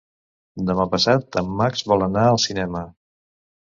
Demà passat en Max vol anar al cinema.